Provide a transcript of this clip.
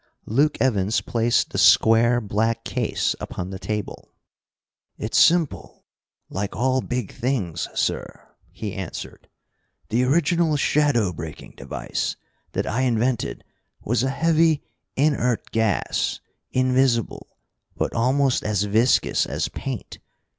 Luke Evans placed the square black case upon the table. "It's simple, like all big things, sir," he answered. "The original shadow breaking device that I invented was a heavy, inert gas, invisible, but almost as viscous as paint.